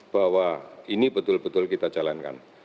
bahwa ini betul betul kita jalankan